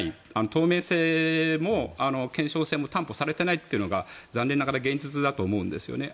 透明性も検証性も担保されていないというのが残念ながら現実だと思うんですよね。